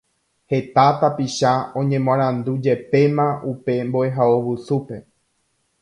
Heta tapicha oñemoarandujepéma upe mbo'ehaovusúpe